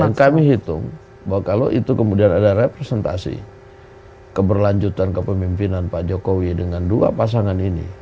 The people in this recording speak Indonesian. yang kami hitung bahwa kalau itu kemudian ada representasi keberlanjutan kepemimpinan pak jokowi dengan dua pasangan ini